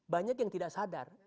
banyak yang tidak sadar